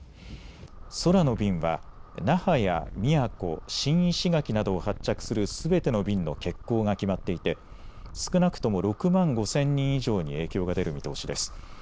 空の便は那覇や宮古、新石垣などを発着するすべての便の欠航が決まっていて少なくとも６万５０００人以上に影響が出る見通しです。